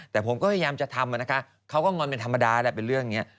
แต่ผมก็พยายามจะทำนะคะเขาก็งอนเป็นธรรมดาแหละเป็นเรื่องนี้